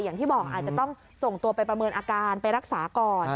อย่างที่บอกอาจจะต้องส่งตัวไปประเมินอาการไปรักษาก่อน